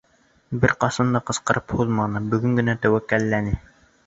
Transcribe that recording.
Бер ҡасан да ҡысҡырып һуҙманы, бөгөн генә тәүәккәлләне.